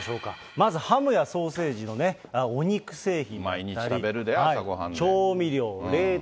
まずハムやソーセージのお肉製品。